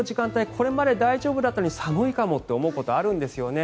これまで大丈夫だったのに寒いかと思うことがあるんですね。